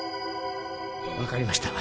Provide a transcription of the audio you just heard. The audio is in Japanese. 分かりました。